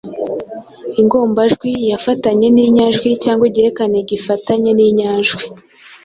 ingombajwi iyafanye n’inyajwi cyangwa igihekane gifatanye n’inyajwi.